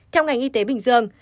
theo ngành y tế bình dương